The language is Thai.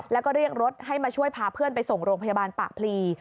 แล้วก็เรียกรถให้มาช่วยพาเพื่อนไปส่งโรงพยาบาลปากพลี